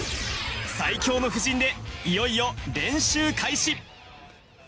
最強の布陣でいよいよ練習開始。